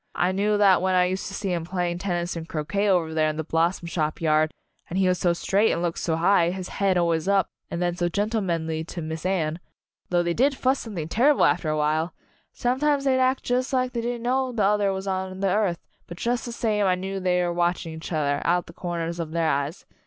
I knew that when I used to see 'em playing tennis and croquet over there in the Blos som Shop yard, and he was so straight and looked so high, his head always up, and then so gentlemanly to Miss Anne though they did fuss something terrible after a while! Sometimes they'd act jus' like they didn't know the other was on the earth, but jus' the same I knew they were watching each other, out the corners of their eyes.